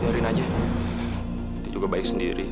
dia juga baik sendiri